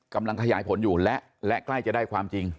กำลังขยายผลอยู่และใกล้จะได้ความจริง